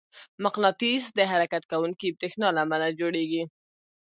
مقناطیس د حرکت کوونکي برېښنا له امله جوړېږي.